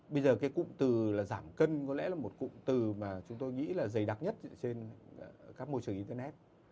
bây giờ cái cụm từ là giảm cân có lẽ là một cụm từ mà chúng tôi nghĩ là dày đặc nhất trên các môi trường internet